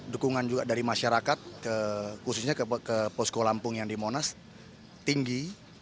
dukungan juga dari masyarakat khususnya ke posko lampung yang di monas tinggi